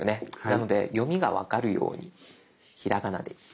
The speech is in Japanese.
なので読みが分かるようにひらがなで。